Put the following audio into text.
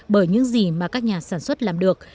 bởi những gì mà các nhà sản xuất làm được